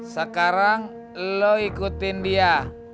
sekarang lo ikutin dia